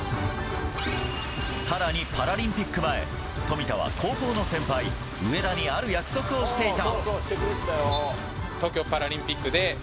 さらにパラリンピック前、富田は高校の先輩・上田にある約束をしていた。